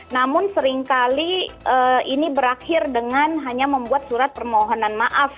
namun seringkali ini berakhir dengan hanya membuat surat permohonan maaf